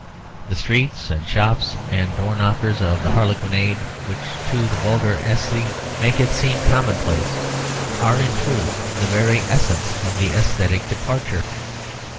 The streets and shops and door knockers of the harlequinade, which to the vulgar aesthete make it seem commonplace, are in truth the very essence of the aesthetic departure.